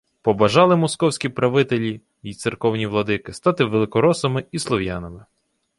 Побажали московські правителі й церковні владики стати великоросами і слов'янами